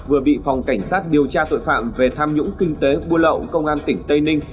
vừa bị phòng cảnh sát điều tra tội phạm về tham nhũng kinh tế buôn lậu công an tỉnh tây ninh